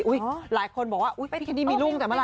อุ๊ยหลายคนบอกว่าพี่แคนดี้มีลูกแต่เมื่อไหร่